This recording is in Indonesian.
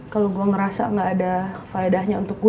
kalau gue ngerasa gak ada faedahnya untuk gue